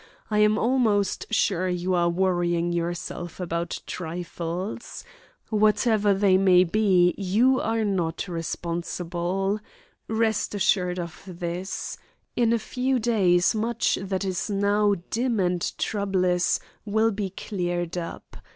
I am almost sure you are worrying yourself about trifles. Whatever they may be, you are not responsible. Rest assured of this, in a few days much that is now dim and troublous will be cleared up.